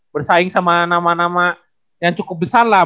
bersaing sama nama nama yang cukup besar lah